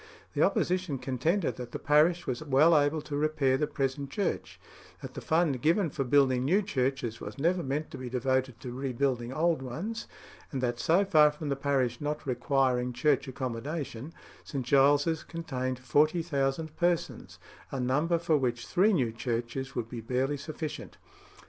The opposition contended that the parish was well able to repair the present church; that the fund given for building new churches was never meant to be devoted to rebuilding old ones; and that so far from the parish not requiring church accommodation, St. Giles's contained 40,000 persons, a number for which three new churches would be barely sufficient.